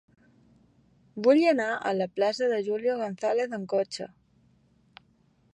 Vull anar a la plaça de Julio González amb cotxe.